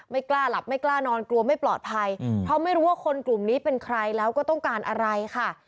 ไม่กล้าหลับไม่กล้านอนกลัวไม่ปลอดภัยเพราะไม่รู้ว่าคนกลุ่มนี้เป็นใครแล้วก็ต้องการอะไรค่ะ